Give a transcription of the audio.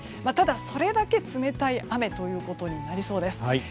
ただ、それだけ冷たい雨となりそうです。